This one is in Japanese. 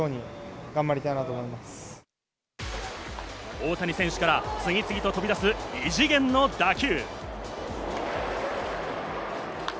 大谷選手から次々と飛び出す異次元の打球。